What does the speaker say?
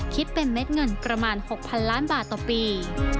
คิดเป็นเม็ดเงินประมาณ๖๐๐๐ล้านบาทต่อปี